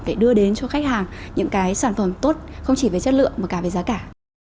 để đưa đến cho khách hàng những cái sản phẩm tốt không chỉ về chất lượng mà cả về giá cả